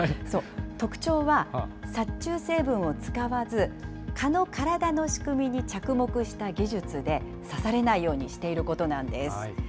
特徴は、殺虫成分を使わず、蚊の体の仕組みに着目した技術で、刺されないようにしていることなんです。